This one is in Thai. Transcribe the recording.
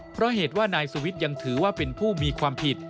เพราะเหตุว่านายสุวิทย์ยังถือว่าเป็นผู้มีความผิด